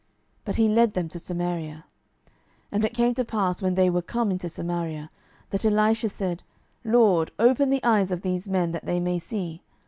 But he led them to Samaria. 12:006:020 And it came to pass, when they were come into Samaria, that Elisha said, LORD, open the eyes of these men, that they may see.